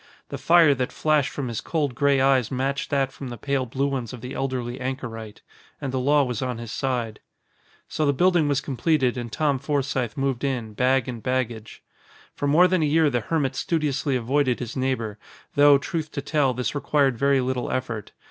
The fire that flashed from his cold gray eyes matched that from the pale blue ones of the elderly anchorite. And the law was on his side. So the building was completed and Tom Forsythe moved in, bag and baggage. For more than a year the hermit studiously avoided his neighbor, though, truth to tell, this required very little effort.